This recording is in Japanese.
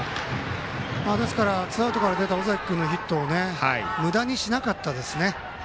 ツーアウトから出た尾崎君のヒットをむだにしなかったですね。